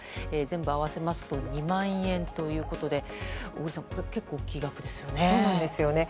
全部合わせますと２万円ということで小野さん、結構これは大きいですよね。